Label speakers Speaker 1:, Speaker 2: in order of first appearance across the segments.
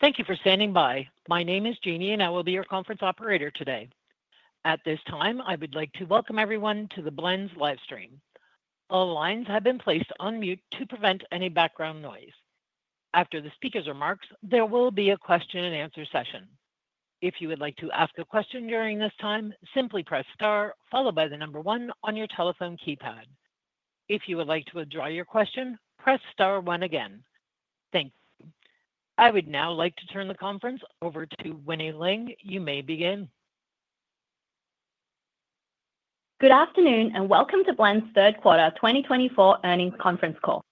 Speaker 1: Thank you for standing by. My name is Jeannie, and I will be your conference operator today. At this time, I would like to welcome everyone to the Blend's Livestream. All lines have been placed on mute to prevent any background noise. After the speaker's remarks, there will be a question-and-answer session. If you would like to ask a question during this time, simply press star, followed by the number one on your telephone keypad. If you would like to withdraw your question, press star one again. Thank you. I would now like to turn the conference over to Winnie Ling. You may begin.
Speaker 2: Good afternoon, and welcome to Blend's third quarter 2024 earnings conference call.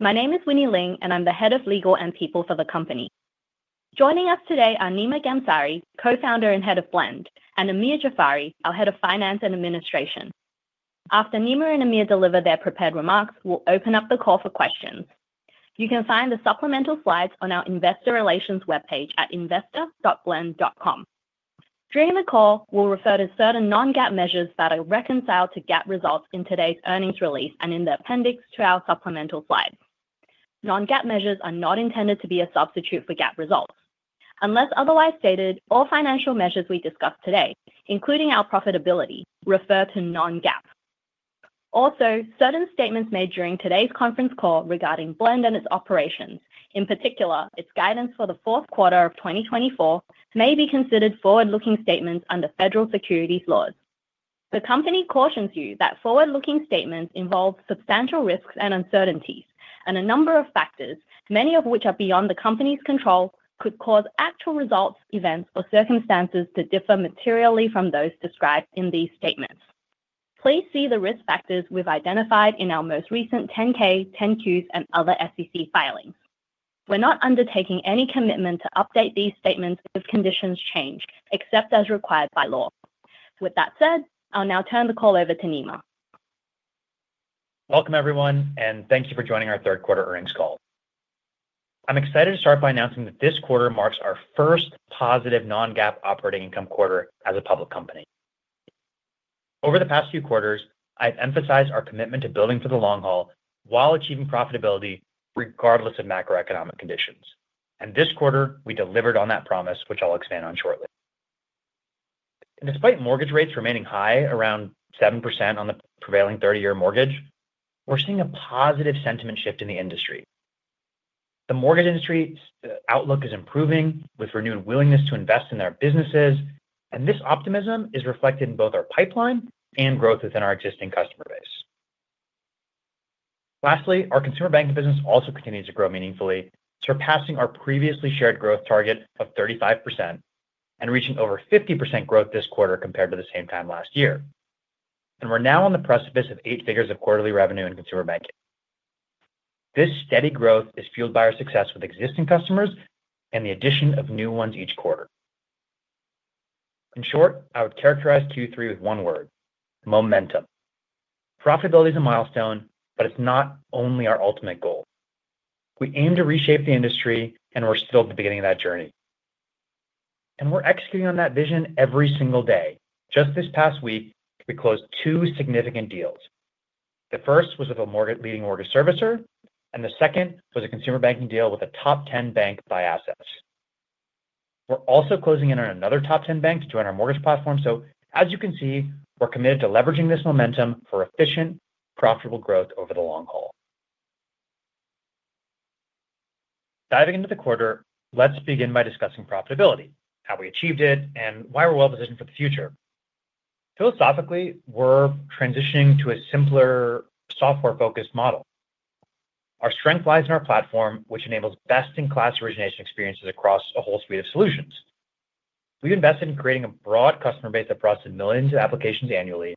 Speaker 2: My name is Winnie Ling, and I'm the head of legal and people for the company. Joining us today are Nima Ghamsari, co-founder and head of Blend, and Amir Jafari, our head of finance and administration. After Nima and Amir deliver their prepared remarks, we'll open up the call for questions. You can find the supplemental slides on our investor relations webpage at investor.blend.com. During the call, we'll refer to certain non-GAAP measures that are reconciled to GAAP results in today's earnings release and in the appendix to our supplemental slides. Non-GAAP measures are not intended to be a substitute for GAAP results. Unless otherwise stated, all financial measures we discuss today, including our profitability, refer to non-GAAP. Also, certain statements made during today's conference call regarding Blend and its operations, in particular its guidance for the fourth quarter of 2024, may be considered forward-looking statements under federal securities laws. The company cautions you that forward-looking statements involve substantial risks and uncertainties, and a number of factors, many of which are beyond the company's control, could cause actual results, events, or circumstances to differ materially from those described in these statements. Please see the risk factors we've identified in our most recent 10-K, 10-Qs, and other SEC filings. We're not undertaking any commitment to update these statements if conditions change, except as required by law. With that said, I'll now turn the call over to Nima.
Speaker 3: Welcome, everyone, and thank you for joining our third quarter earnings call. I'm excited to start by announcing that this quarter marks our first positive non-GAAP operating income quarter as a public company. Over the past few quarters, I've emphasized our commitment to building for the long haul while achieving profitability regardless of macroeconomic conditions. And this quarter, we delivered on that promise, which I'll expand on shortly. Despite mortgage rates remaining high, around 7% on the prevailing 30-year mortgage, we're seeing a positive sentiment shift in the industry. The mortgage industry outlook is improving, with renewed willingness to invest in their businesses, and this optimism is reflected in both our pipeline and growth within our existing customer base. Lastly, our consumer banking business also continues to grow meaningfully, surpassing our previously shared growth target of 35% and reaching over 50% growth this quarter compared to the same time last year, and we're now on the precipice of eight figures of quarterly revenue in consumer banking. This steady growth is fueled by our success with existing customers and the addition of new ones each quarter. In short, I would characterize Q3 with one word: momentum. Profitability is a milestone, but it's not only our ultimate goal. We aim to reshape the industry, and we're still at the beginning of that journey, and we're executing on that vision every single day. Just this past week, we closed two significant deals. The first was with a leading mortgage servicer, and the second was a consumer banking deal with a top 10 bank by assets. We're also closing in on another top 10 bank to join our mortgage platform. So, as you can see, we're committed to leveraging this momentum for efficient, profitable growth over the long haul. Diving into the quarter, let's begin by discussing profitability, how we achieved it, and why we're well positioned for the future. Philosophically, we're transitioning to a simpler, software-focused model. Our strength lies in our platform, which enables best-in-class origination experiences across a whole suite of solutions. We've invested in creating a broad customer base that brought us millions of applications annually,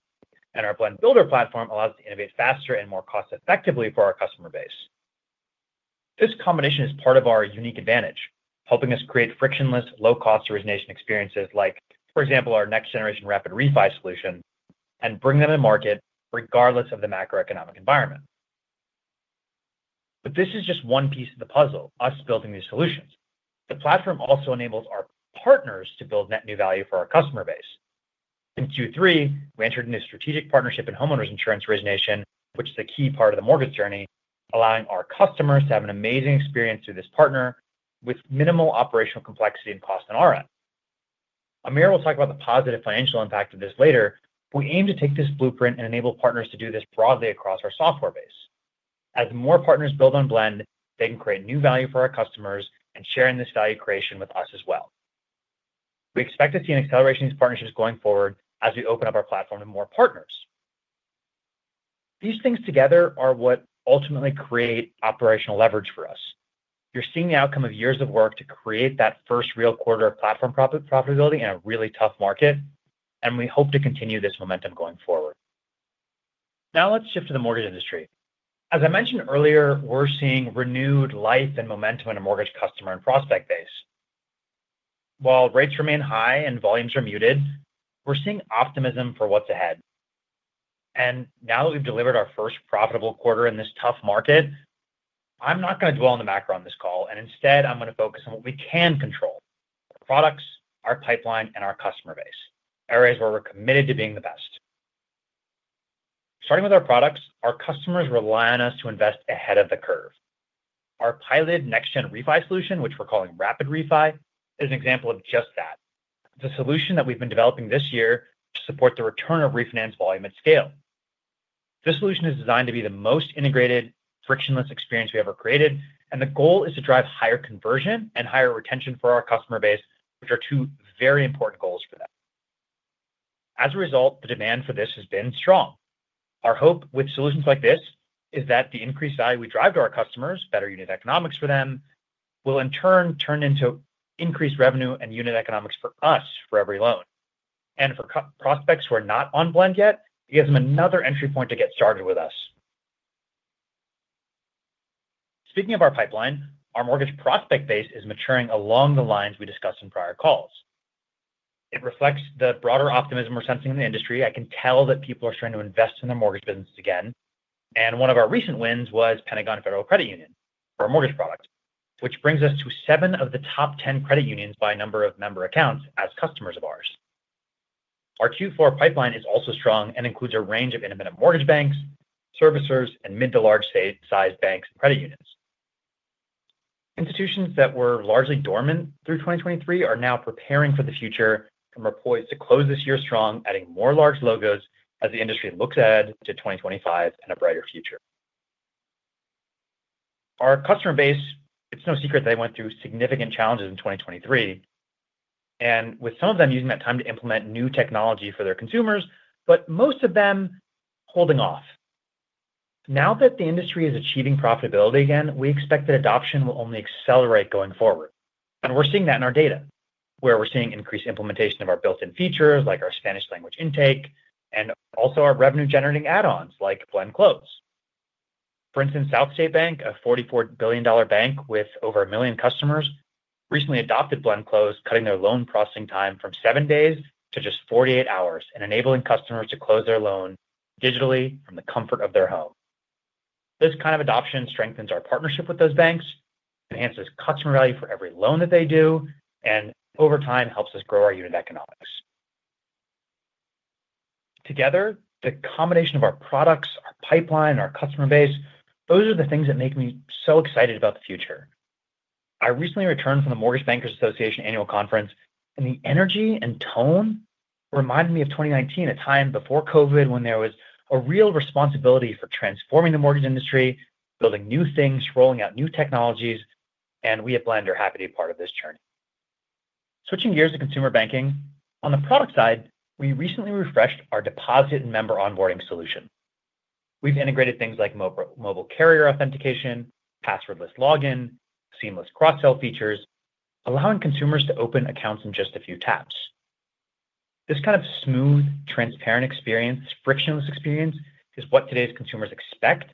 Speaker 3: and our Blend Builder platform allows us to innovate faster and more cost-effectively for our customer base. This combination is part of our unique advantage, helping us create frictionless, low-cost origination experiences like, for example, our next-generation Rapid Refi solution, and bring them to market regardless of the macroeconomic environment. But this is just one piece of the puzzle, us building these solutions. The platform also enables our partners to build net new value for our customer base. In Q3, we entered into strategic partnership in homeowners insurance origination, which is a key part of the mortgage journey, allowing our customers to have an amazing experience through this partner with minimal operational complexity and cost on our end. Amir will talk about the positive financial impact of this later, but we aim to take this blueprint and enable partners to do this broadly across our software base. As more partners build on Blend, they can create new value for our customers and share in this value creation with us as well. We expect to see an acceleration of these partnerships going forward as we open up our platform to more partners. These things together are what ultimately create operational leverage for us. You're seeing the outcome of years of work to create that first real quarter of platform profitability in a really tough market, and we hope to continue this momentum going forward. Now let's shift to the mortgage industry. As I mentioned earlier, we're seeing renewed life and momentum in a mortgage customer and prospect base. While rates remain high and volumes are muted, we're seeing optimism for what's ahead, and now that we've delivered our first profitable quarter in this tough market, I'm not going to dwell on the macro on this call, and instead, I'm going to focus on what we can control: our products, our pipeline, and our customer base, areas where we're committed to being the best. Starting with our products, our customers rely on us to invest ahead of the curve. Our piloted next-gen refi solution, which we're calling Rapid Refi, is an example of just that. It's a solution that we've been developing this year to support the return of refinance volume at scale. This solution is designed to be the most integrated, frictionless experience we ever created, and the goal is to drive higher conversion and higher retention for our customer base, which are two very important goals for them. As a result, the demand for this has been strong. Our hope with solutions like this is that the increased value we drive to our customers, better unit economics for them, will in turn turn into increased revenue and unit economics for us for every loan. And for prospects who are not on Blend yet, it gives them another entry point to get started with us. Speaking of our pipeline, our mortgage prospect base is maturing along the lines we discussed in prior calls. It reflects the broader optimism we're sensing in the industry. I can tell that people are starting to invest in their mortgage businesses again, and one of our recent wins was Pentagon Federal Credit Union for our mortgage product, which brings us to seven of the top 10 credit unions by number of member accounts as customers of ours. Our Q4 pipeline is also strong and includes a range of independent mortgage banks, servicers, and mid to large-sized banks and credit unions. Institutions that were largely dormant through 2023 are now preparing for the future and were poised to close this year strong, adding more large logos as the industry looks ahead to 2025 and a brighter future. Our customer base, it's no secret that they went through significant challenges in 2023, and with some of them using that time to implement new technology for their consumers, but most of them holding off. Now that the industry is achieving profitability again, we expect that adoption will only accelerate going forward. And we're seeing that in our data, where we're seeing increased implementation of our built-in features like our Spanish language intake and also our revenue-generating add-ons like Blend Close. For instance, SouthState Bank, a $44 billion bank with over a million customers, recently adopted Blend Close, cutting their loan processing time from seven days to just 48 hours and enabling customers to close their loan digitally from the comfort of their home. This kind of adoption strengthens our partnership with those banks, enhances customer value for every loan that they do, and over time helps us grow our unit economics. Together, the combination of our products, our pipeline, and our customer base, those are the things that make me so excited about the future. I recently returned from the Mortgage Bankers Association annual conference, and the energy and tone reminded me of 2019, a time before COVID when there was a real responsibility for transforming the mortgage industry, building new things, rolling out new technologies, and we at Blend are happy to be part of this journey. Switching gears to consumer banking, on the product side, we recently refreshed our deposit and member onboarding solution. We've integrated things like mobile carrier authentication, passwordless login, seamless cross-sell features, allowing consumers to open accounts in just a few taps. This kind of smooth, transparent experience, frictionless experience, is what today's consumers expect,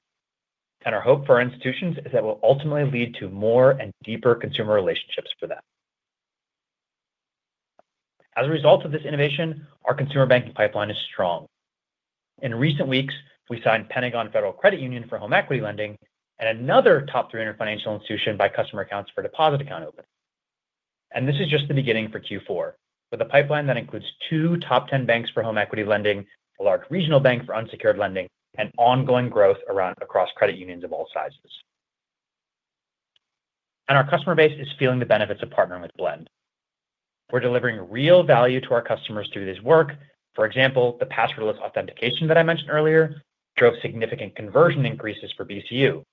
Speaker 3: and our hope for our institutions is that will ultimately lead to more and deeper consumer relationships for them. As a result of this innovation, our consumer banking pipeline is strong. In recent weeks, we signed Pentagon Federal Credit Union for home equity lending and another top 300 financial institution by customer accounts for a deposit account opened. And this is just the beginning for Q4, with a pipeline that includes two top 10 banks for home equity lending, a large regional bank for unsecured lending, and ongoing growth across credit unions of all sizes. And our customer base is feeling the benefits of partnering with Blend. We're delivering real value to our customers through this work. For example, the passwordless authentication that I mentioned earlier drove significant conversion increases for BCU,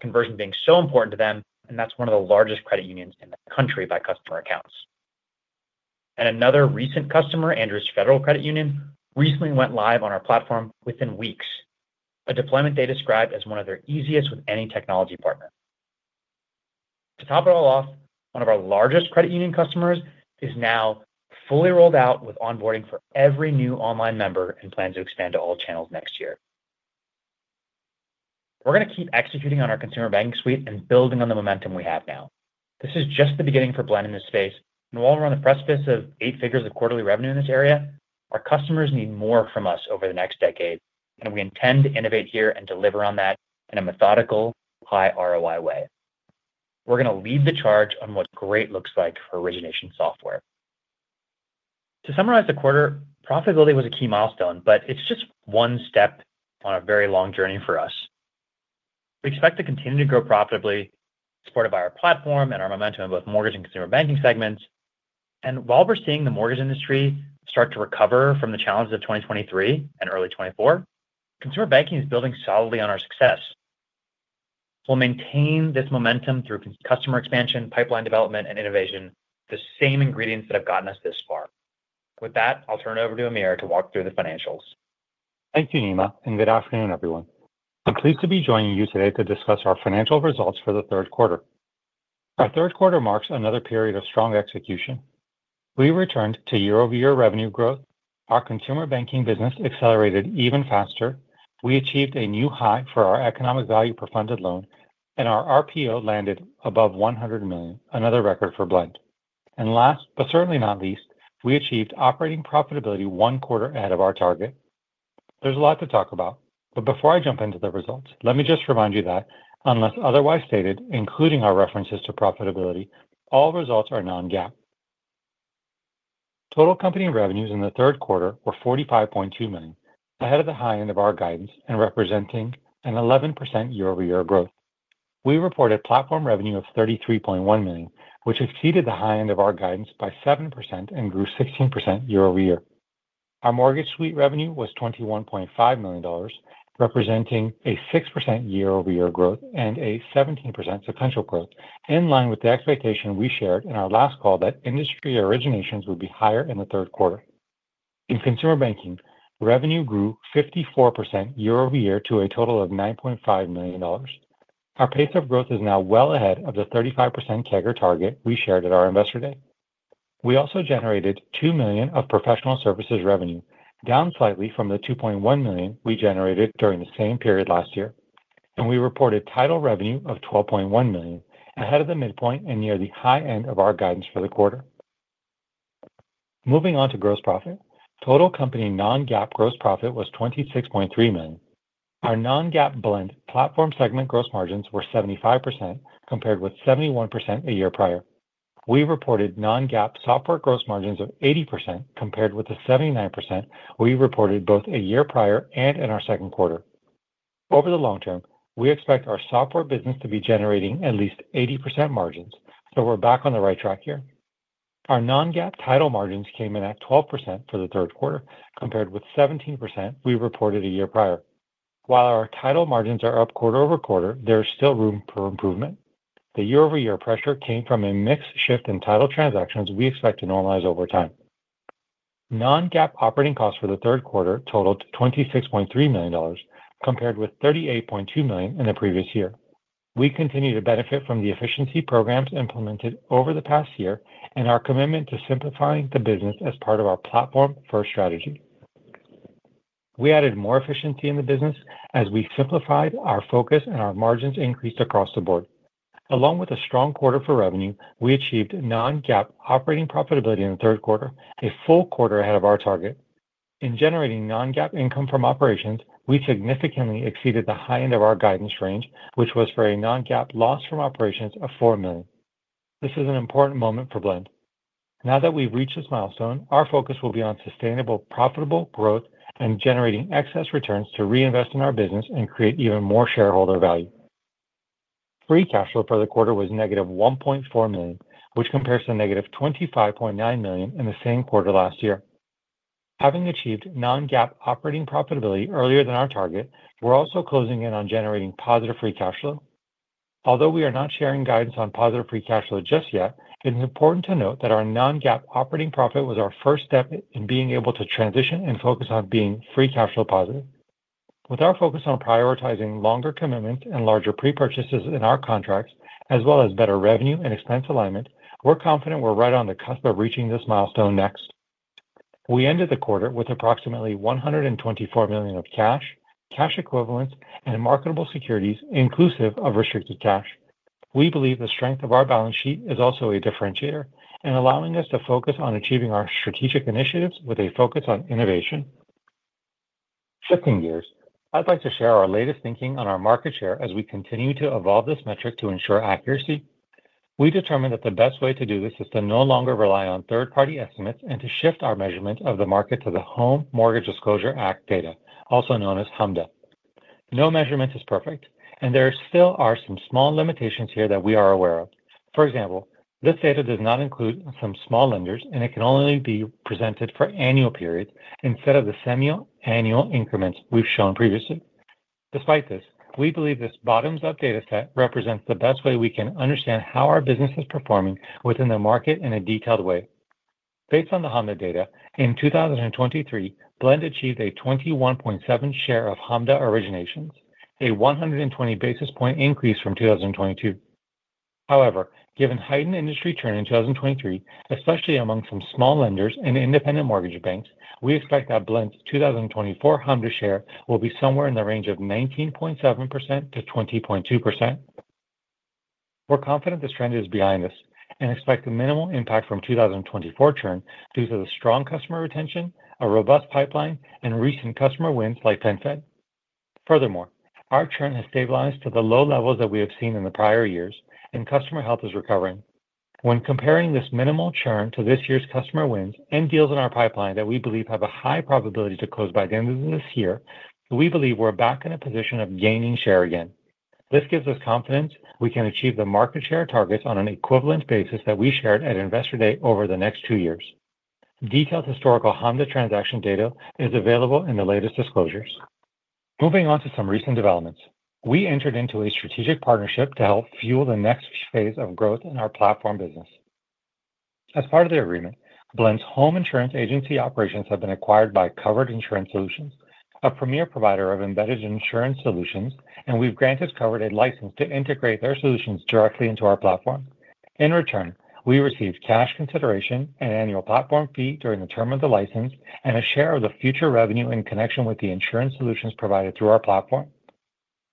Speaker 3: conversion being so important to them, and that's one of the largest credit unions in the country by customer accounts. And another recent customer, Andrews Federal Credit Union, recently went live on our platform within weeks, a deployment they described as one of their easiest with any technology partner. To top it all off, one of our largest credit union customers is now fully rolled out with onboarding for every new online member and plans to expand to all channels next year. We're going to keep executing on our consumer banking suite and building on the momentum we have now. This is just the beginning for Blend in this space, and while we're on the precipice of eight figures of quarterly revenue in this area, our customers need more from us over the next decade, and we intend to innovate here and deliver on that in a methodical, high ROI way. We're going to lead the charge on what great looks like for origination software. To summarize the quarter, profitability was a key milestone, but it's just one step on a very long journey for us. We expect to continue to grow profitably supported by our platform and our momentum in both mortgage and consumer banking segments. And while we're seeing the mortgage industry start to recover from the challenges of 2023 and early 2024, consumer banking is building solidly on our success. We'll maintain this momentum through customer expansion, pipeline development, and innovation, the same ingredients that have gotten us this far. With that, I'll turn it over to Amir to walk through the financials.
Speaker 4: Thank you, Nima, and good afternoon, everyone. I'm pleased to be joining you today to discuss our financial results for the third quarter. Our third quarter marks another period of strong execution. We returned to year-over-year revenue growth. Our consumer banking business accelerated even faster. We achieved a new high for our economic value per funded loan, and our RPO landed above $100 million, another record for Blend. And last, but certainly not least, we achieved operating profitability one quarter ahead of our target. There's a lot to talk about, but before I jump into the results, let me just remind you that, unless otherwise stated, including our references to profitability, all results are non-GAAP. Total company revenues in the third quarter were $45.2 million, ahead of the high end of our guidance and representing an 11% year-over-year growth. We reported platform revenue of $33.1 million, which exceeded the high end of our guidance by 7% and grew 16% year-over-year. Our Mortgage Suite revenue was $21.5 million, representing a 6% year-over-year growth and a 17% sequential growth, in line with the expectation we shared in our last call that industry originations would be higher in the third quarter. In consumer banking, revenue grew 54% year-over-year to a total of $9.5 million. Our pace of growth is now well ahead of the 35% CAGR target we shared at our We also generated $2 million of Professional Services revenue, down slightly from the $2.1 million we generated during the same period last year. And we reported title revenue of $12.1 million, ahead of the midpoint and near the high end of our guidance for the quarter. Moving on to gross profit, total company non-GAAP gross profit was $26.3 million. Our non-GAAP Blend platform segment gross margins were 75% compared with 71% a year prior. We reported non-GAAP software gross margins of 80% compared with the 79% we reported both a year prior and in our second quarter. Over the long term, we expect our software business to be generating at least 80% margins, so we're back on the right track here. Our non-GAAP title margins came in at 12% for the third quarter, compared with 17% we reported a year prior. While our title margins are up quarter over quarter, there is still room for improvement. The year-over-year pressure came from a mixed shift in title transactions we expect to normalize over time. Non-GAAP operating costs for the third quarter totaled $26.3 million, compared with $38.2 million in the previous year. We continue to benefit from the efficiency programs implemented over the past year and our commitment to simplifying the business as part of our platform-first strategy. We added more efficiency in the business as we simplified our focus and our margins increased across the board. Along with a strong quarter for revenue, we achieved non-GAAP operating profitability in the third quarter, a full quarter ahead of our target. In generating non-GAAP income from operations, we significantly exceeded the high end of our guidance range, which was for a non-GAAP loss from operations of $4 million. This is an important moment for Blend. Now that we've reached this milestone, our focus will be on sustainable, profitable growth and generating excess returns to reinvest in our business and create even more shareholder value. Free cash flow for the quarter was -$1.4 million, which compares to -$25.9 million in the same quarter last year. Having achieved non-GAAP operating profitability earlier than our target, we're also closing in on generating positive free cash flow. Although we are not sharing guidance on positive free cash flow just yet, it is important to note that our non-GAAP operating profit was our first step in being able to transition and focus on being free cash flow positive. With our focus on prioritizing longer commitments and larger pre-purchases in our contracts, as well as better revenue and expense alignment, we're confident we're right on the cusp of reaching this milestone next. We ended the quarter with approximately $124 million of cash, cash equivalents, and marketable securities, inclusive of restricted cash. We believe the strength of our balance sheet is also a differentiator in allowing us to focus on achieving our strategic initiatives with a focus on innovation. Shifting gears, I'd like to share our latest thinking on our market share as we continue to evolve this metric to ensure accuracy. We determined that the best way to do this is to no longer rely on third-party estimates and to shift our measurement of the market to the Home Mortgage Disclosure Act data, also known as HMDA. No measurement is perfect, and there still are some small limitations here that we are aware of. For example, this data does not include some small lenders, and it can only be presented for annual periods instead of the semi-annual increments we've shown previously. Despite this, we believe this bottoms-up data set represents the best way we can understand how our business is performing within the market in a detailed way. Based on the HMDA data, in 2023, Blend achieved a 21.7% share of HMDA originations, a 120 basis points increase from 2022. However, given heightened industry churn in 2023, especially among some small lenders and independent mortgage banks, we expect that Blend's 2024 HMDA share will be somewhere in the range of 19.7%-20.2%. We're confident this trend is behind us and expect a minimal impact from 2024 churn due to the strong customer retention, a robust pipeline, and recent customer wins like PenFed. Furthermore, our churn has stabilized to the low levels that we have seen in the prior years, and customer health is recovering. When comparing this minimal churn to this year's customer wins and deals in our pipeline that we believe have a high probability to close by the end of this year, we believe we're back in a position of gaining share again. This gives us confidence we can achieve the market share targets on an equivalent basis that we shared at Investor Day over the next two years. Detailed historical HMDA transaction data is available in the latest disclosures. Moving on to some recent developments, we entered into a strategic partnership to help fuel the next phase of growth in our platform business. As part of the agreement, Blend's home insurance agency operations have been acquired by Covered Insurance Solutions, a premier provider of embedded insurance solutions, and we've granted Covered a license to integrate their solutions directly into our platform. In return, we received cash consideration and annual platform fee during the term of the license and a share of the future revenue in connection with the insurance solutions provided through our platform.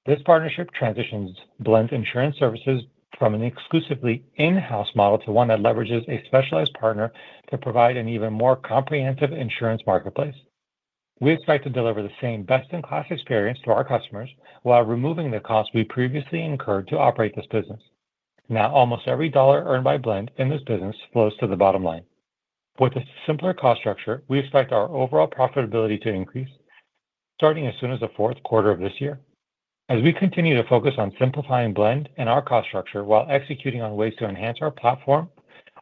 Speaker 4: This partnership transitions Blend's insurance services from an exclusively in-house model to one that leverages a specialized partner to provide an even more comprehensive insurance marketplace. We expect to deliver the same best-in-class experience to our customers while removing the costs we previously incurred to operate this business. Now, almost every dollar earned by Blend in this business flows to the bottom line. With a simpler cost structure, we expect our overall profitability to increase, starting as soon as the fourth quarter of this year. As we continue to focus on simplifying Blend and our cost structure while executing on ways to enhance our platform,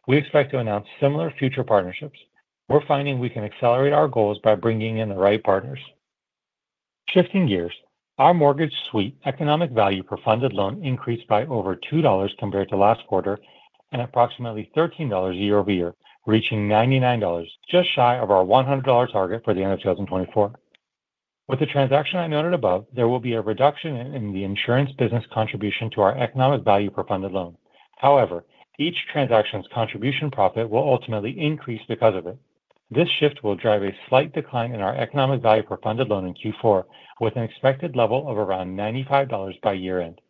Speaker 4: we expect to announce similar future partnerships. We're finding we can accelerate our goals by bringing in the right partners. Shifting gears, our Mortgage Suite Economic Value per Funded Loan increased by over $2 compared to last quarter and approximately $13 year-over-year, reaching $99, just shy of our $100 target for the end of 2024. With the transaction I noted above, there will be a reduction in the insurance business contribution to our Economic Value per Funded Loan. However, each transaction's contribution profit will ultimately increase because of it. This shift will drive a slight decline in our Economic Value per Funded Loan in Q4, with an expected level of around $95 by year-end.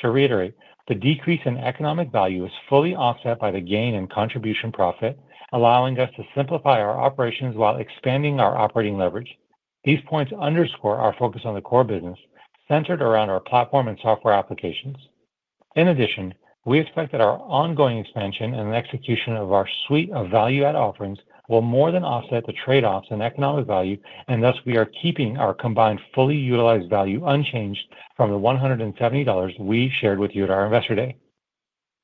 Speaker 4: To reiterate, the decrease in economic value is fully offset by the gain in contribution profit, allowing us to simplify our operations while expanding our operating leverage. These points underscore our focus on the core business, centered around our platform and software applications. In addition, we expect that our ongoing expansion and execution of our suite of value-add offerings will more than offset the trade-offs in economic value, and thus we are keeping our combined fully utilized value unchanged from the $170 we shared with you at our Investor Day.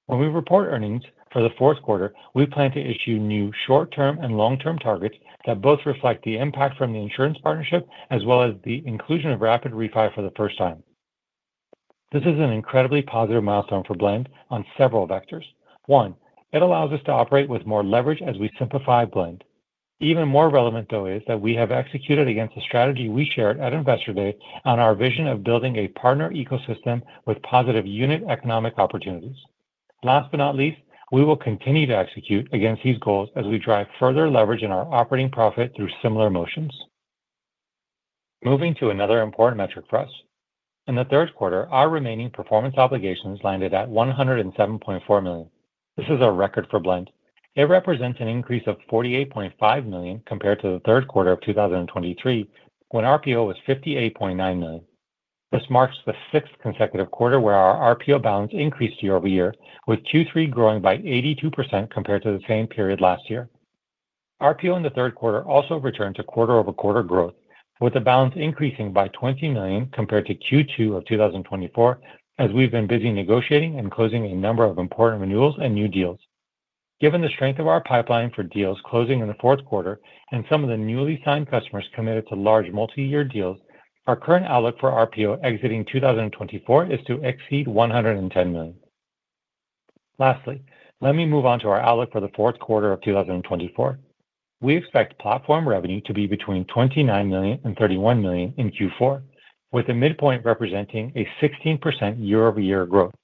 Speaker 4: When we report earnings for the fourth quarter, we plan to issue new short-term and long-term targets that both reflect the impact from the insurance partnership as well as the inclusion of Rapid Refi for the first time. This is an incredibly positive milestone for Blend on several vectors. One, it allows us to operate with more leverage as we simplify Blend. Even more relevant, though, is that we have executed against the strategy we shared at Investor Day on our vision of building a partner ecosystem with positive unit economic opportunities. Last but not least, we will continue to execute against these goals as we drive further leverage in our operating profit through similar motions. Moving to another important metric for us. In the third quarter, our remaining performance obligations landed at $107.4 million. This is a record for Blend. It represents an increase of $48.5 million compared to the third quarter of 2023, when RPO was $58.9 million. This marks the sixth consecutive quarter where our RPO balance increased year-over-year, with Q3 growing by 82% compared to the same period last year. RPO in the third quarter also returned to quarter-over-quarter growth, with the balance increasing by $20 million compared to Q2 of 2024, as we've been busy negotiating and closing a number of important renewals and new deals. Given the strength of our pipeline for deals closing in the fourth quarter and some of the newly signed customers committed to large multi-year deals, our current outlook for RPO exiting 2024 is to exceed $110 million. Lastly, let me move on to our outlook for the fourth quarter of 2024. We expect platform revenue to be between $29 million-$31 million in Q4, with the midpoint representing a 16% year-over-year growth.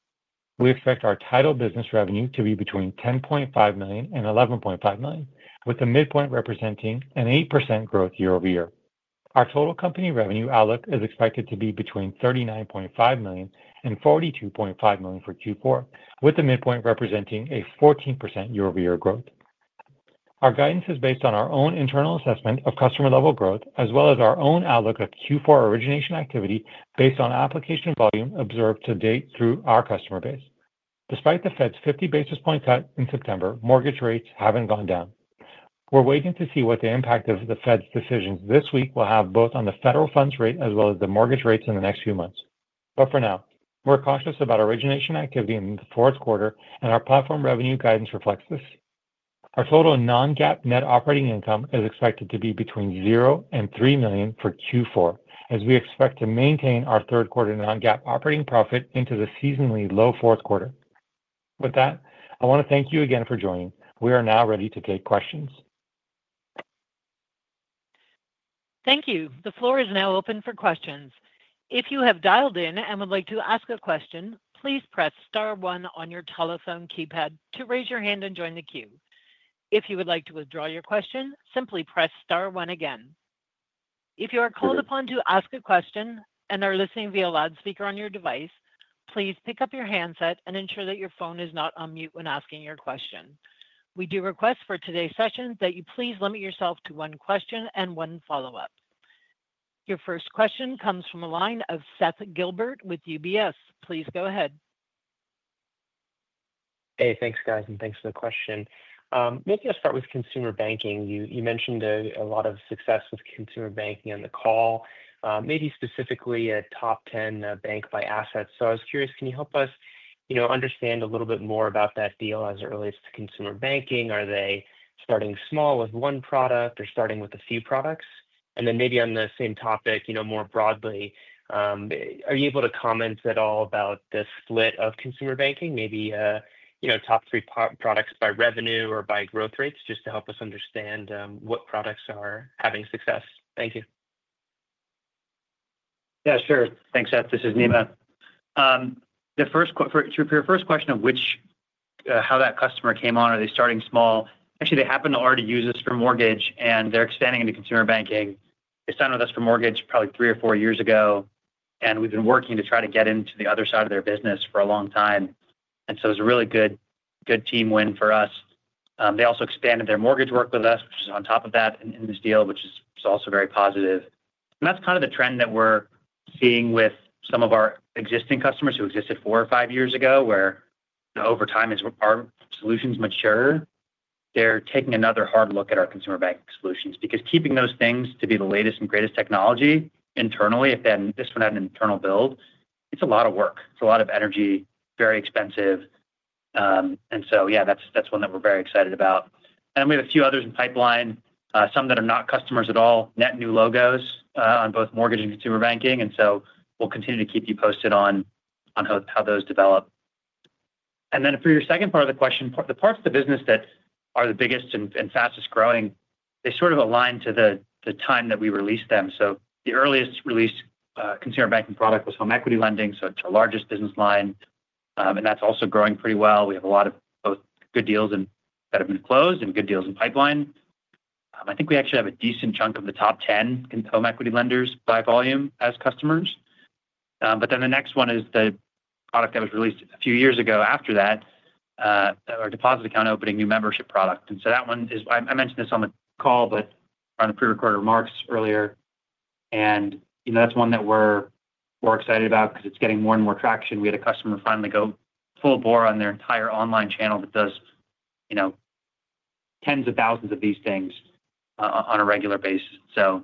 Speaker 4: We expect our title business revenue to be between $10.5 million-$11.5 million, with the midpoint representing an 8% growth year-over-year. Our total company revenue outlook is expected to be between $39.5 million-$42.5 million for Q4, with the midpoint representing a 14% year-over-year growth. Our guidance is based on our own internal assessment of customer-level growth, as well as our own outlook of Q4 origination activity based on application volume observed to date through our customer base. Despite the Fed's 50 basis point cut in September, mortgage rates haven't gone down. We're waiting to see what the impact of the Fed's decisions this week will have both on the federal funds rate as well as the mortgage rates in the next few months. But for now, we're cautious about origination activity in the fourth quarter, and our platform revenue guidance reflects this. Our total non-GAAP net operating income is expected to be between and $3 million for Q4, as we expect to maintain our third quarter non-GAAP operating profit into the seasonally low fourth quarter. With that, I want to thank you again for joining. We are now ready to take questions.
Speaker 1: Thank you. The floor is now open for questions. If you have dialed in and would like to ask a question, please press Star one on your telephone keypad to raise your hand and join the queue. If you would like to withdraw your question, simply press Star one again. If you are called upon to ask a question and are listening via loudspeaker on your device, please pick up your handset and ensure that your phone is not on mute when asking your question. We do request for today's session that you please limit yourself to one question and one follow-up. Your first question comes from a line of Seth Gilbert with UBS. Please go ahead.
Speaker 5: Hey, thanks, guys, and thanks for the question. Maybe I'll start with consumer banking. You mentioned a lot of success with consumer banking on the call, maybe specifically a top 10 bank by asset. So I was curious, can you help us understand a little bit more about that deal as it relates to consumer banking? Are they starting small with one product or starting with a few products? And then maybe on the same topic, more broadly, are you able to comment at all about the split of consumer banking, maybe top three products by revenue or by growth rates, just to help us understand what products are having success? Thank you.
Speaker 3: Yeah, sure. Thanks, Seth. This is Nima. The first question of how that customer came on, are they starting small? Actually, they happen to already use us for mortgage, and they're expanding into consumer banking. They signed with us for mortgage probably three or four years ago, and we've been working to try to get into the other side of their business for a long time. And so it was a really good team win for us. They also expanded their mortgage work with us, which is on top of that in this deal, which is also very positive. And that's kind of the trend that we're seeing with some of our existing customers who existed four or five years ago, where over time as our solutions mature, they're taking another hard look at our consumer bank solutions. Because keeping those things to be the latest and greatest technology internally, if then this one had an internal build, it's a lot of work. It's a lot of energy, very expensive. And so, yeah, that's one that we're very excited about. And we have a few others in pipeline, some that are not customers at all, net new logos on both mortgage and consumer banking. And so we'll continue to keep you posted on how those develop. And then for your second part of the question, the parts of the business that are the biggest and fastest growing, they sort of align to the time that we released them. So the earliest released consumer banking product was home equity lending. So it's our largest business line, and that's also growing pretty well. We have a lot of both good deals that have been closed and good deals in pipeline. I think we actually have a decent chunk of the top 10 home equity lenders by volume as customers. But then the next one is the product that was released a few years ago after that, our deposit account opening new membership product. And so that one is, I mentioned this on the call, but on the prerecorded remarks earlier, and that's one that we're excited about because it's getting more and more traction. We had a customer finally go full bore on their entire online channel that does tens of thousands of these things on a regular basis. So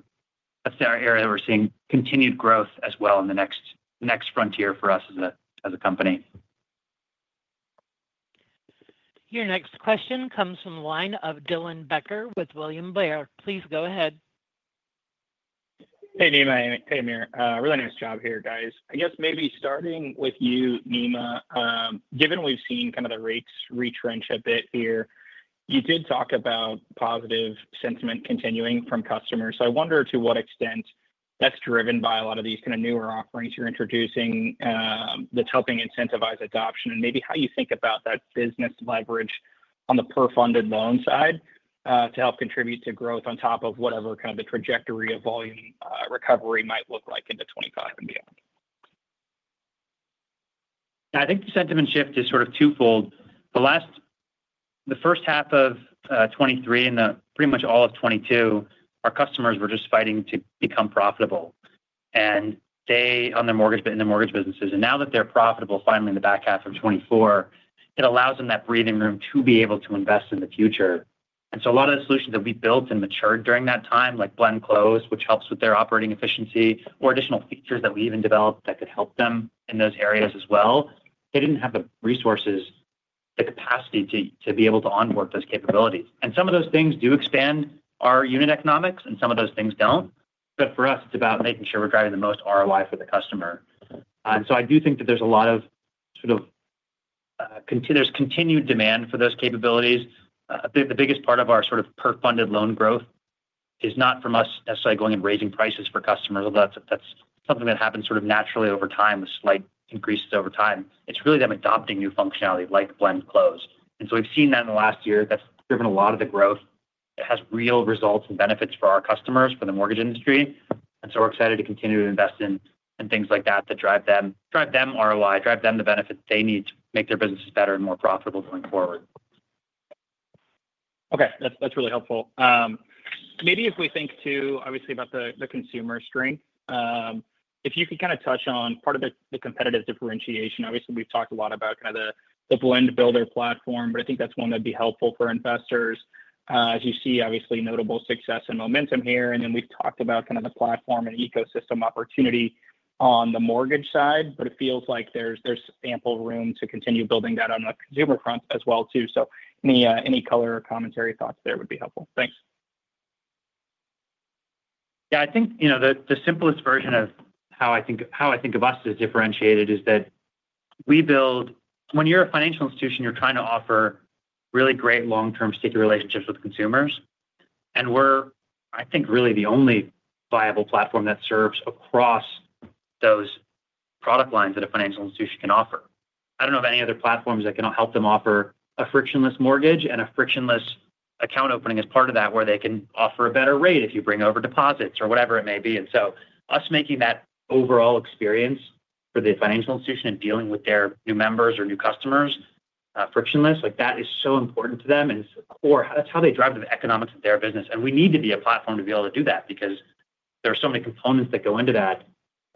Speaker 3: that's our area that we're seeing continued growth as well in the next frontier for us as a company.
Speaker 1: Your next question comes from a line of Dylan Becker with William Blair. Please go ahead.
Speaker 6: Hey, Nima. Hey, Amir. Really nice job here, guys. I guess maybe starting with you, Nima, given we've seen kind of the rates retrench a bit here, you did talk about positive sentiment continuing from customers. So I wonder to what extent that's driven by a lot of these kind of newer offerings you're introducing that's helping incentivize adoption and maybe how you think about that business leverage on the per-funded loan side to help contribute to growth on top of whatever kind of the trajectory of volume recovery might look like into 2025 and beyond?
Speaker 3: I think the sentiment shift is sort of twofold. The first half of 2023 and pretty much all of 2022, our customers were just fighting to become profitable, and they own their mortgage book in their mortgage businesses. And now that they're profitable finally in the back half of 2024, it allows them that breathing room to be able to invest in the future. And so a lot of the solutions that we built and matured during that time, like Blend Close, which helps with their operating efficiency, or additional features that we even developed that could help them in those areas as well, they didn't have the resources, the capacity to be able to onboard those capabilities. And some of those things do expand our unit economics, and some of those things don't. But for us, it's about making sure we're driving the most ROI for the customer. And so I do think that there's a lot of sort of continued demand for those capabilities. The biggest part of our sort of per-funded loan growth is not from us necessarily going and raising prices for customers. That's something that happens sort of naturally over time with slight increases over time. It's really them adopting new functionality like Blend Close. And so we've seen that in the last year that's driven a lot of the growth. It has real results and benefits for our customers, for the mortgage industry. And so we're excited to continue to invest in things like that that drive their ROI, drive the benefits they need to make their businesses better and more profitable going forward.
Speaker 6: Okay. That's really helpful. Maybe if we think too, obviously, about the consumer strength, if you could kind of touch on part of the competitive differentiation. Obviously, we've talked a lot about kind of the Blend Builder platform, but I think that's one that'd be helpful for investors. As you see, obviously, notable success and momentum here. And then we've talked about kind of the platform and ecosystem opportunity on the mortgage side, but it feels like there's ample room to continue building that on the consumer front as well too. So any color or commentary thoughts there would be helpful. Thanks.
Speaker 4: Yeah, I think the simplest version of how I think of us as differentiated is that we build when you're a financial institution, you're trying to offer really great long-term sticky relationships with consumers. And we're, I think, really the only viable platform that serves across those product lines that a financial institution can offer. I don't know of any other platforms that can help them offer a frictionless mortgage and a frictionless account opening as part of that where they can offer a better rate if you bring over deposits or whatever it may be. And so us making that overall experience for the financial institution and dealing with their new members or new customers frictionless, that is so important to them. And it's the core. That's how they drive the economics of their business. And we need to be a platform to be able to do that because there are so many components that go into that.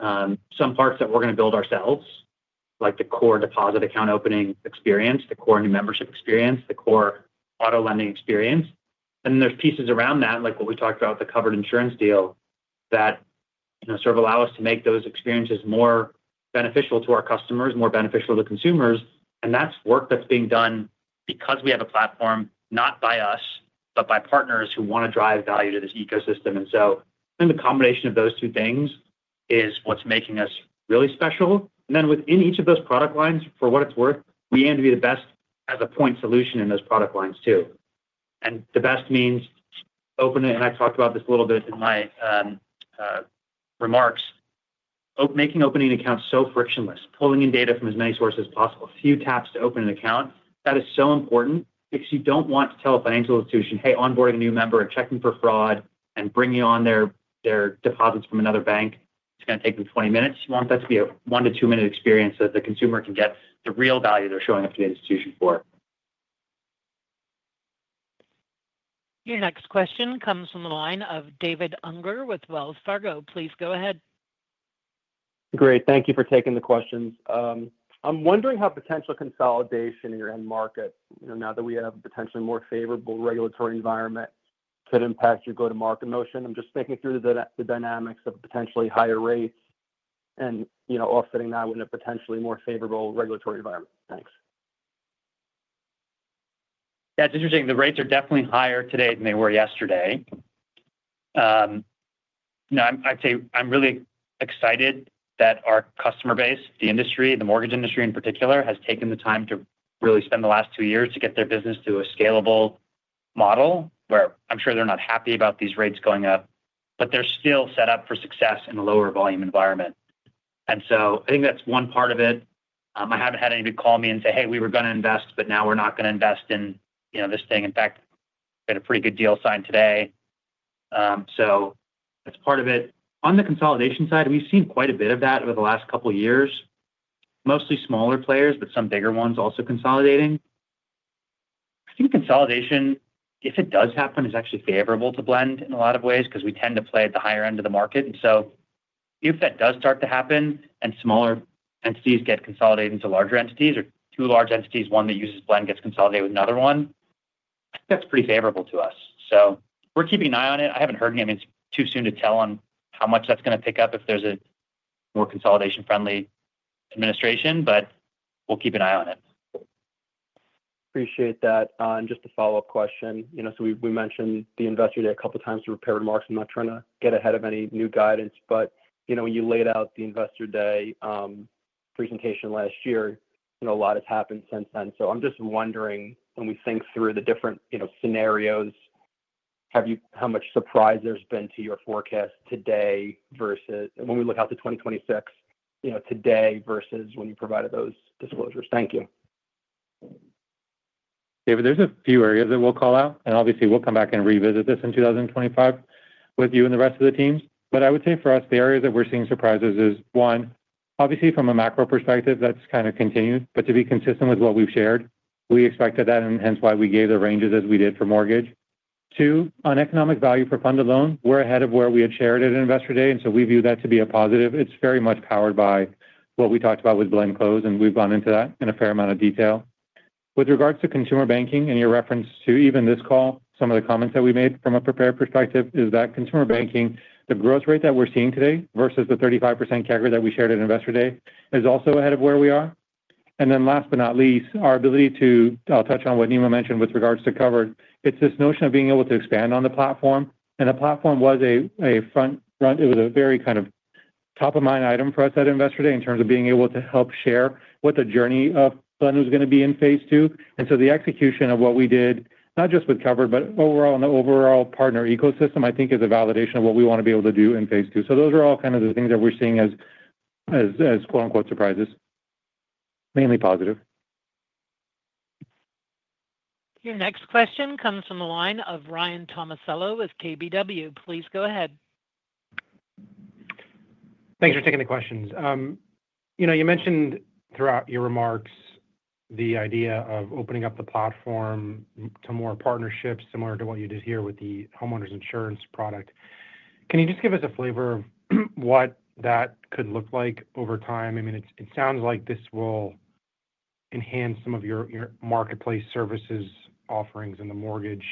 Speaker 4: Some parts that we're going to build ourselves, like the core deposit account opening experience, the core new membership experience, the core auto lending experience. And then there's pieces around that, like what we talked about with the Covered Insurance deal, that sort of allow us to make those experiences more beneficial to our customers, more beneficial to consumers. And that's work that's being done because we have a platform, not by us, but by partners who want to drive value to this ecosystem. And so I think the combination of those two things is what's making us really special. And then within each of those product lines, for what it's worth, we aim to be the best as a point solution in those product lines too. And the best means open it, and I talked about this a little bit in my remarks, making opening accounts so frictionless, pulling in data from as many sources as possible, a few taps to open an account. That is so important because you don't want to tell a financial institution, "Hey, onboarding a new member and checking for fraud and bringing on their deposits from another bank, it's going to take them 20 minutes." You want that to be a one to two-minute experience so that the consumer can get the real value they're showing up to the institution for.
Speaker 1: Your next question comes from the line of David Unger with Wells Fargo. Please go ahead.
Speaker 7: Great.Thank you for taking the questions. I'm wondering how potential consolidation in your end market, now that we have a potentially more favorable regulatory environment, could impact your go-to-market motion. I'm just thinking through the dynamics of potentially higher rates and offsetting that with a potentially more favorable regulatory environment. Thanks.
Speaker 3: Yeah, it's interesting. The rates are definitely higher today than they were yesterday. No, I'd say I'm really excited that our customer base, the industry, the mortgage industry in particular, has taken the time to really spend the last two years to get their business to a scalable model where I'm sure they're not happy about these rates going up, but they're still set up for success in a lower volume environment. And so I think that's one part of it. I haven't had anybody call me and say, "Hey, we were going to invest, but now we're not going to invest in this thing." In fact, we had a pretty good deal signed today. So that's part of it. On the consolidation side, we've seen quite a bit of that over the last couple of years, mostly smaller players, but some bigger ones also consolidating. I think consolidation, if it does happen, is actually favorable to Blend in a lot of ways because we tend to play at the higher end of the market. And so if that does start to happen and smaller entities get consolidated into larger entities or two large entities, one that uses Blend gets consolidated with another one, that's pretty favorable to us. So we're keeping an eye on it. I haven't heard anything. I mean, it's too soon to tell on how much that's going to pick up if there's a more consolidation-friendly administration, but we'll keep an eye on it.
Speaker 7: Appreciate that. And just a follow-up question. So we mentioned the Investor Day a couple of times throughout prepared remarks. I'm not trying to get ahead of any new guidance, but when you laid out the Investor Day presentation last year, a lot has happened since then. So I'm just wondering, when we think through the different scenarios, how much surprise there's been to your forecast today versus when we look out to 2026 today versus when you provided those disclosures. Thank you.
Speaker 4: David, there's a few areas that we'll call out, and obviously, we'll come back and revisit this in 2025 with you and the rest of the teams. But I would say for us, the areas that we're seeing surprises is, one, obviously, from a macro perspective, that's kind of continued, but to be consistent with what we've shared, we expected that, and hence why we gave the ranges as we did for mortgage. Two, on economic value for funded loans, we're ahead of where we had shared at Investor Day, and so we view that to be a positive. It's very much powered by what we talked about with Blend Close, and we've gone into that in a fair amount of detail. With regards to consumer banking and your reference to even this call, some of the comments that we made from a prepared perspective is that consumer banking, the growth rate that we're seeing today versus the 35% CAGR that we shared at Investor Day is also ahead of where we are. And then last but not least, our ability to, I'll touch on what Nima mentioned with regards to Covered. It's this notion of being able to expand on the platform. And the platform was a front. It was a very kind of top-of-mind item for us at Investor ay in terms of being able to help share what the journey of Blend was going to be in phase two. And so the execution of what we did, not just with Covered, but overall in the overall partner ecosystem, I think is a validation of what we want to be able to do in phase two. So those are all kind of the things that we're seeing as "surprises," mainly positive.
Speaker 1: Your next question comes from the line of Ryan Tomasello with KBW. Please go ahead.
Speaker 8: Thanks for taking the questions. You mentioned throughout your remarks the idea of opening up the platform to more partnerships similar to what you did here with the homeowners insurance product. Can you just give us a flavor of what that could look like over time? I mean, it sounds like this will enhance some of your marketplace services, offerings in the Mortgage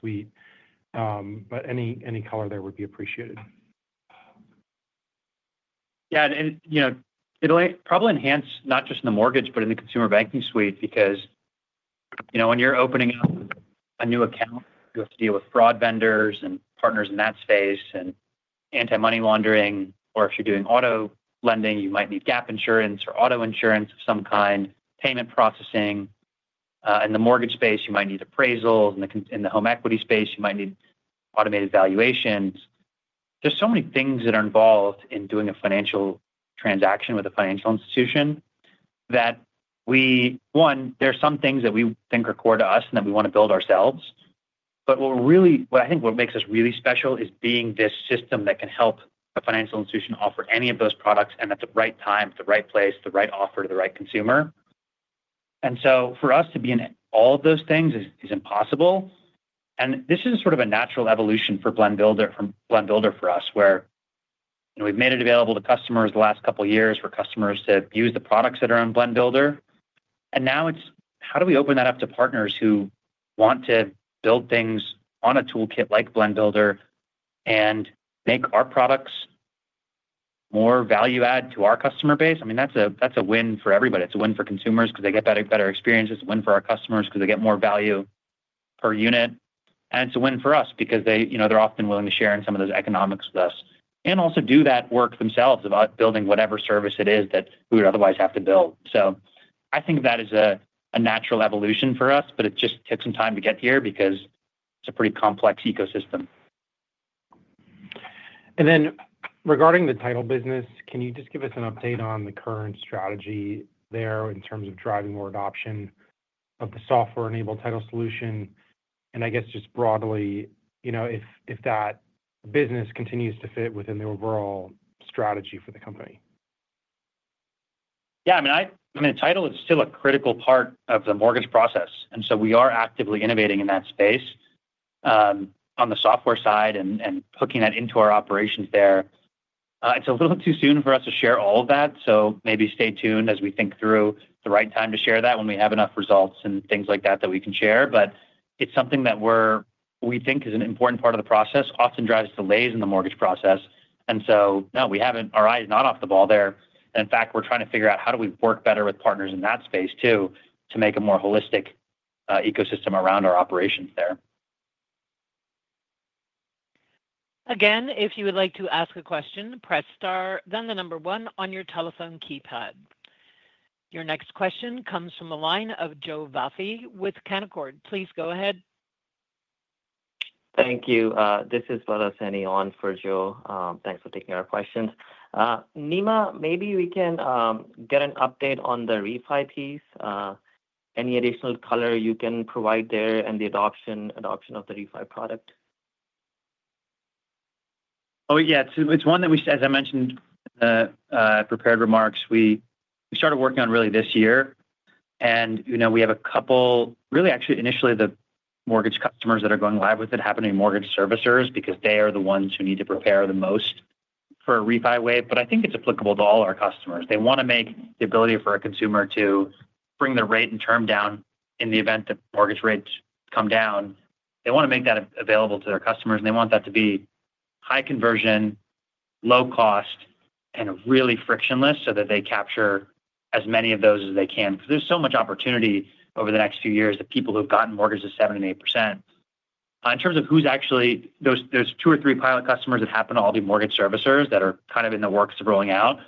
Speaker 8: Suite, but any color there would be appreciated.
Speaker 3: Yeah. It'll probably enhance not just in the mortgage, but in the consumer banking suite because when you're opening up a new account, you have to deal with fraud vendors and partners in that space and anti-money laundering. Or if you're doing auto lending, you might need gap insurance or auto insurance of some kind, payment processing. In the mortgage space, you might need appraisals. In the home equity space, you might need automated valuations. There's so many things that are involved in doing a financial transaction with a financial institution that we, one, there are some things that we think are core to us and that we want to build ourselves. But what I think makes us really special is being this system that can help a financial institution offer any of those products and at the right time, the right place, the right offer to the right consumer. And so for us to be in all of those things is impossible. And this is sort of a natural evolution for Blend Builder for us, where we've made it available to customers the last couple of years for customers to use the products that are on Blend Builder. And now it's how do we open that up to partners who want to build things on a toolkit like Blend Builder and make our products more value-add to our customer base? I mean, that's a win for everybody. It's a win for consumers because they get better experiences. It's a win for our customers because they get more value per unit. And it's a win for us because they're often willing to share in some of those economics with us and also do that work themselves of building whatever service it is that we would otherwise have to build. So I think that is a natural evolution for us, but it just took some time to get here because it's a pretty complex ecosystem.
Speaker 8: And then regarding the title business, can you just give us an update on the current strategy there in terms of driving more adoption of the software-enabled title solution? And I guess just broadly, if that business continues to fit within the overall strategy for the company.
Speaker 3: Yeah. I mean, title is still a critical part of the mortgage process. And so we are actively innovating in that space on the software side and hooking that into our operations there. It's a little too soon for us to share all of that. So maybe stay tuned as we think through the right time to share that when we have enough results and things like that that we can share. But it's something that we think is an important part of the process, often drives delays in the mortgage process. And so no, our eye is not off the ball there. And in fact, we're trying to figure out how do we work better with partners in that space too to make a more holistic ecosystem around our operations there.
Speaker 1: Again, if you would like to ask a question, press star, then the number one on your telephone keypad. Your next question comes from the line of Joe Vafi with Canaccord. Please go ahead.
Speaker 9: Thank you. This is Vlad Sinev for Joe. Thanks for taking our questions. Nima, maybe we can get an update on the refi piece. Any additional color you can provide there and the adoption of the refi product?
Speaker 3: Oh, yeah. It's one that we, as I mentioned in the prepared remarks, we started working on really this year. And we have a couple, really actually initially the mortgage customers that are going live with it having to be mortgage servicers because they are the ones who need to prepare the most for a refi wave. But I think it's applicable to all our customers. They want to make the ability for a consumer to bring the rate and term down in the event that mortgage rates come down. They want to make that available to their customers, and they want that to be high conversion, low cost, and really frictionless so that they capture as many of those as they can. Because there's so much opportunity over the next few years that people who have gotten mortgages at 7-8%. In terms of who's actually those two or three pilot customers that happen to all be mortgage servicers that are kind of in the works of rolling out,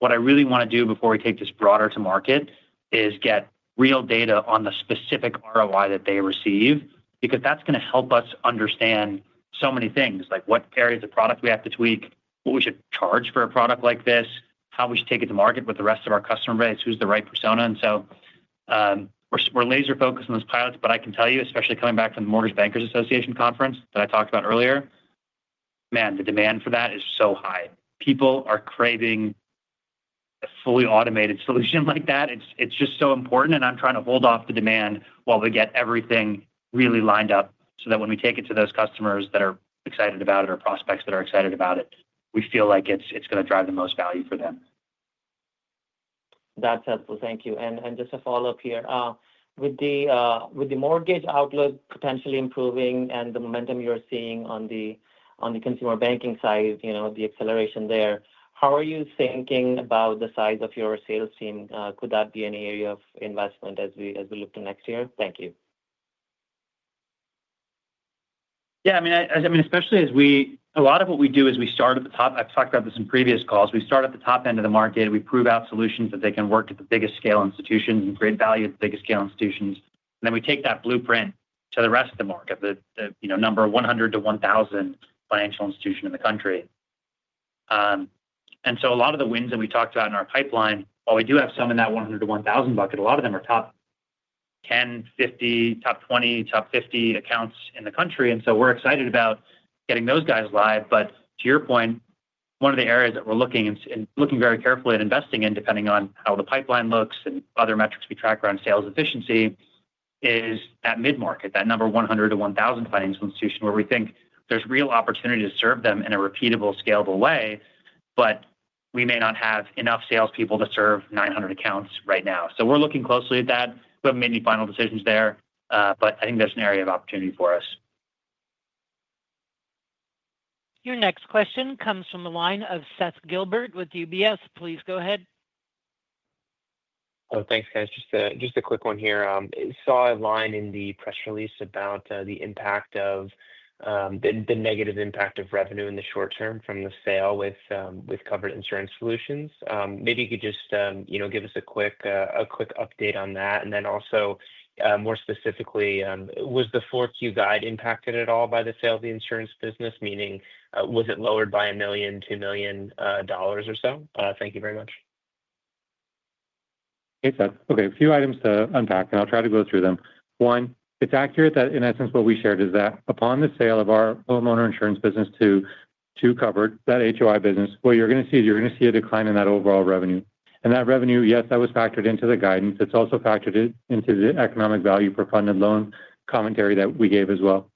Speaker 3: what I really want to do before we take this broader to market is get real data on the specific ROI that they receive because that's going to help us understand so many things, like what areas of product we have to tweak, what we should charge for a product like this, how we should take it to market with the rest of our customer base, who's the right persona, and so we're laser-focused on those pilots, but I can tell you, especially coming back from the Mortgage Bankers Association conference that I talked about earlier, man, the demand for that is so high. People are craving a fully automated solution like that. It's just so important, and I'm trying to hold off the demand while we get everything really lined up so that when we take it to those customers that are excited about it or prospects that are excited about it, we feel like it's going to drive the most value for them.
Speaker 9: That's helpful. Thank you. And just a follow-up here. With the mortgage outlook potentially improving and the momentum you're seeing on the consumer banking side, the acceleration there, how are you thinking about the size of your sales team? Could that be an area of investment as we look to next year? Thank you.
Speaker 3: Yeah. I mean, especially as we a lot of what we do is we start at the top. I've talked about this in previous calls. We start at the top end of the market. We prove out solutions that they can work at the biggest scale institutions and create value at the biggest scale institutions. And then we take that blueprint to the rest of the market, the number of 100-1,000 financial institutions in the country. And so a lot of the wins that we talked about in our pipeline, while we do have some in that 100-1,000 bucket, a lot of them are top 10, 50, top 20, top 50 accounts in the country. And so we're excited about getting those guys live. But to your point, one of the areas that we're looking and looking very carefully at investing in, depending on how the pipeline looks and other metrics we track around sales efficiency, is that mid-market, that number 100 to 1,000 financial institution where we think there's real opportunity to serve them in a repeatable, scalable way, but we may not have enough salespeople to serve 900 accounts right now. So we're looking closely at that. We have many final decisions there, but I think there's an area of opportunity for us.
Speaker 1: Your next question comes from the line of Seth Gilbert with UBS. Please go ahead.
Speaker 5: Oh, thanks, guys. Just a quick one here. I saw a line in the press release about the impact of the negative impact of revenue in the short term from the sale with Covered Insurance Solutions. Maybe you could just give us a quick update on that. And then also, more specifically, was the 4Q guide impacted at all by the sale of the insurance business? Meaning, was it lowered by $1 million, $2 million or so? Thank you very much.
Speaker 3: Okay. Okay. A few items to unpack, and I'll try to go through them. One, it's accurate that in essence, what we shared is that upon the sale of our homeowner insurance business to Covered, that HOI business, what you're going to see is you're going to see a decline in that overall revenue. And that revenue, yes, that was factored into the guidance. It's also factored into the Economic Value for Funded oan commentary that we gave as well.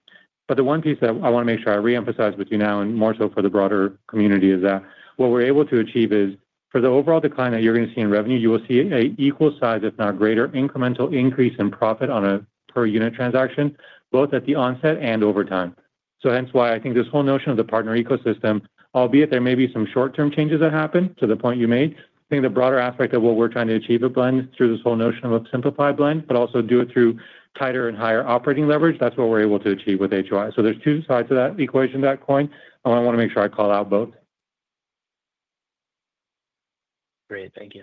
Speaker 3: But the one piece that I want to make sure I reemphasize with you now, and more so for the broader community, is that what we're able to achieve is for the overall decline that you're going to see in revenue, you will see an equal size, if not greater, incremental increase in profit on a per-unit transaction, both at the onset and over time. So hence why I think this whole notion of the partner ecosystem, albeit there may be some short-term changes that happen to the point you made, I think the broader aspect of what we're trying to achieve at Blend through this whole notion of a simplified Blend, but also do it through tighter and higher operating leverage, that's what we're able to achieve with HOI. So there's two sides to that equation, that coin. I want to make sure I call out both.
Speaker 5: Great. Thank you.